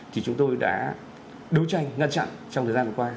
thì chúng tôi đã đấu tranh ngăn chặn trong thời gian vừa qua